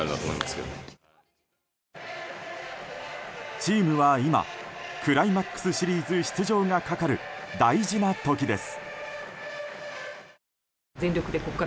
チームは今クライマックスシリーズ出場がかかる大事な時です。